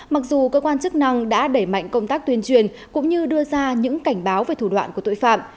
mặc dù cơ quan chức năng đã đẩy mạnh công tác tuyên truyền cũng như đưa ra những cảnh báo về thủ đoạn của tội phạm